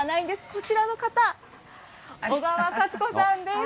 こちらの方、小川勝子さんです。